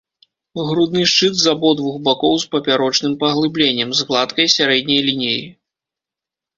Грудны шчыт з абодвух бакоў з папярочным паглыбленнем, з гладкай сярэдняй лініяй.